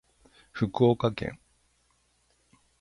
福岡県